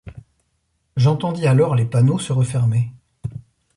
J’entendis alors les panneaux se refermer.